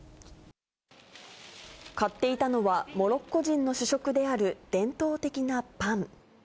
買っていたのは、モロッコ人の主食である伝統的なパン。